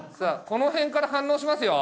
この辺から反応しますよ。